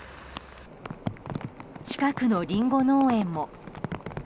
近くのリンゴ農園も。